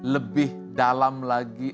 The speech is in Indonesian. lebih dalam lagi